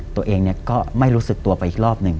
ตัวเองก็ไม่รู้สึกตัวไปอีกรอบหนึ่ง